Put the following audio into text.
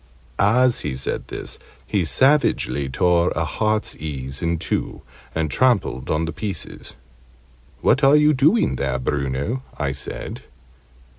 As he said this, he savagely tore a heartsease in two, and trampled on the pieces. "What are you doing there, Bruno?" I said.